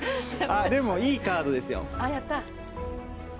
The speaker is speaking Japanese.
でもいいカードですよ。